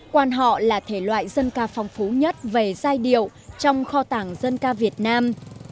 quán họ là thể loại dân ca phong phú nhất về giai điệu trong kho tàng dân ca việt nam